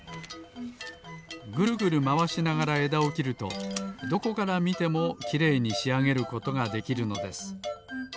ぐるぐるまわしながらえだをきるとどこからみてもきれいにしあげることができるのです。